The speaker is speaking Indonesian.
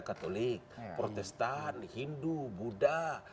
katolik protestan hindu buddha